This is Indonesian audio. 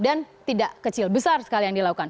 dan tidak kecil besar sekali yang dilakukan